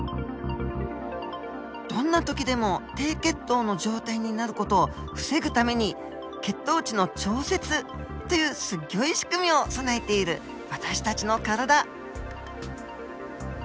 どんな時でも低血糖の状態になる事を防ぐために血糖値の調節というすっギョい仕組みを備えている私たちの体。